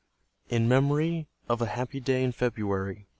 IN MEMORY OF A HAPPY DAY IN FEBRUARY.